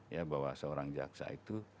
ya bahwa seorang jaksa itu